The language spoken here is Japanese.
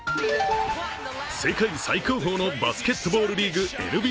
世界最高峰のバスケットボールリーグ・ＮＢＡ。